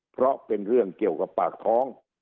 เพราะเป็นเรื่องเกี่ยวกับปากท้อง